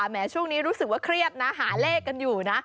ถ้าแมวช่วงนี้รู้สึกว่าเครียบหาเล่กกันอยู่นะ